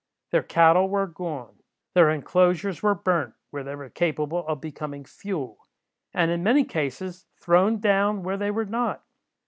Their cattle were gone. Their enclosures were burnt, where they were capable of becoming fuel; and in many cases thrown down where they were not.